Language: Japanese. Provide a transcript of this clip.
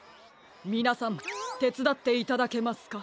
みなさんてつだっていただけますか？